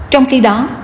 trong khi đó